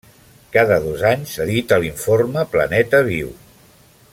Cada dos anys edita l'informe Planeta Viu.